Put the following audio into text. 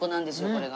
これが。